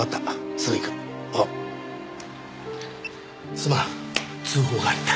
すまん通報が入った。